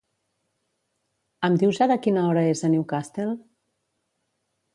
Em dius ara quina hora és a Newcastle?